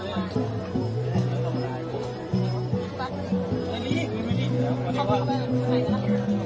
สวัสดีครับทุกคน